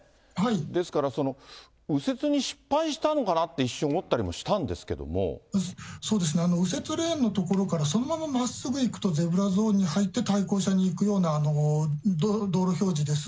ですから、右折に失敗したのかなって一瞬思ったりもしたんですけそうですね、右折レーンの所から、そのまままっすぐ行くとゼブラゾーンに入って、対向車に行くような道路標示です。